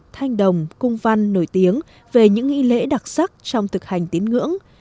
thanh đồng cung văn nổi tiếng về những nghi lễ đặc sắc trong thực hành tín ngưỡng